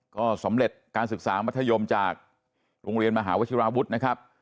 ก็สำเร็จการศึกษามัธยมจากโรงเรียนมหาวชิราวุฒินะครับ